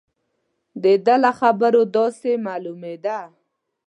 د ده له خبرو داسې معلومېده.